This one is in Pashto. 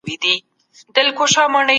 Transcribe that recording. د مجلس ودانۍ چېرته ده؟